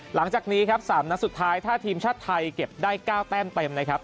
หลังจากนี้ครับ๓นัดสุดท้ายถ้าทีมชาติไทยเก็บได้๙แต้มเต็มนะครับ